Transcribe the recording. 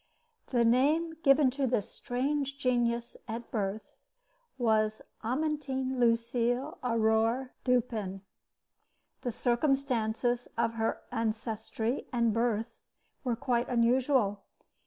The name given to this strange genius at birth was Amantine Lucile Aurore Dupin. The circumstances of her ancestry and birth were quite unusual.